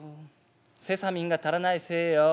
セサミンが足らないせいよ」。